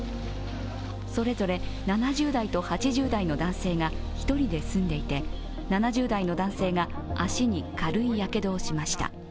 それぞれ７０代と８０代の男性が１人で住んでいて７０代の男性が足に軽いやけどをしました。